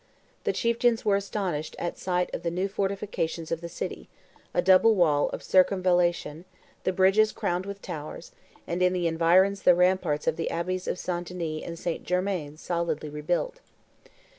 The chieftains were astonished at sight of the new fortifications of the city, a double wall of circumvallation, the bridges crowned with towers, and in the environs the ramparts of the abbeys of St. Denis and St. Germain solidly rebuilt.